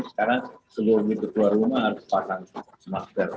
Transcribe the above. sekarang seluruh keluar rumah harus pasang masjid